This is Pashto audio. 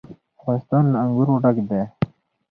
افغانستان له انګور ډک دی.